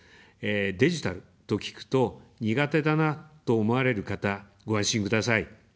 デジタルと聞くと、苦手だなと思われる方、ご安心ください。